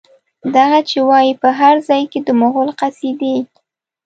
دغه چې وايي، په هر ځای کې د مغول قصيدې